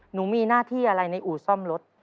หนูมีหน้าที่อะไรในอู่ซ่อมรถ